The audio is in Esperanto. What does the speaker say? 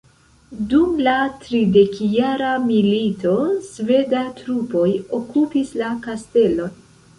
Dum la tridekjara milito sveda trupoj okupis la kastelon.